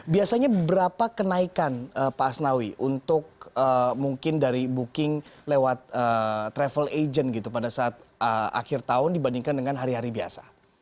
biasanya berapa kenaikan pak asnawi untuk mungkin dari booking lewat travel agent gitu pada saat akhir tahun dibandingkan dengan hari hari biasa